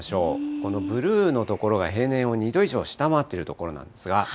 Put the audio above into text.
このブルーのところが平年を２度以上下回っている所なんですが。